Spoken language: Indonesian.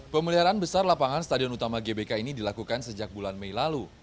pemeliharaan besar lapangan stadion utama gbk ini dilakukan sejak bulan mei lalu